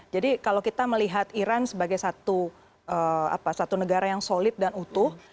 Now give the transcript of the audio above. jadi kalau kita melihat iran sebagai satu negara yang solid dan utuh